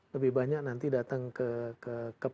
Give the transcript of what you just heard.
lebih banyak nanti datang ke